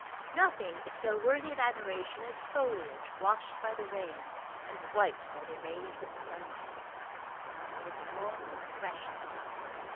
Nothing is so worthy of admiration as foliage washed by the rain and wiped by the rays of sunlight; it is warm freshness.